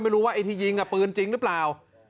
ไม่รู้ว่าไอ้ที่ยิงอ่ะปืนจริงหรือเปล่า